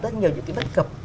rất nhiều những cái bất cập